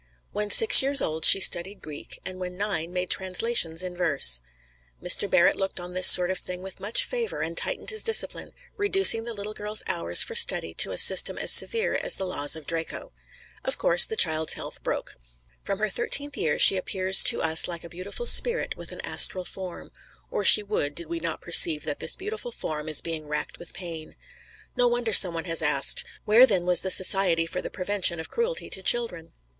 When six years old she studied Greek, and when nine made translations in verse. Mr. Barrett looked on this sort of thing with much favor, and tightened his discipline, reducing the little girl's hours for study to a system as severe as the laws of Draco. Of course, the child's health broke. From her thirteenth year she appears to us like a beautiful spirit with an astral form; or she would, did we not perceive that this beautiful form is being racked with pain. No wonder some one has asked, "Where then was the Society for the Prevention of Cruelty to Children?"